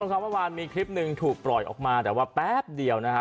ครับเมื่อวานมีคลิปหนึ่งถูกปล่อยออกมาแต่ว่าแป๊บเดียวนะฮะ